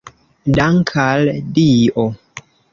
Dank' al Dio!